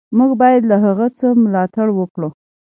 موږ باید له هغه څه ملاتړ وکړو.